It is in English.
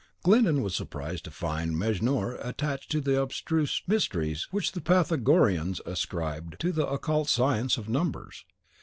Glyndon was surprised to find Mejnour attached to the abstruse mysteries which the Pythagoreans ascribed to the occult science of NUMBERS.